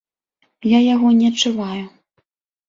Я яго не адчуваю.